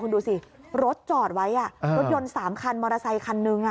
คุณดูสิรถจอดไว้รถยนต์๓คันมอเตอร์ไซคันนึง